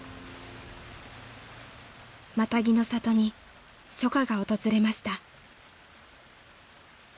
［マタギの里に初夏が訪れました］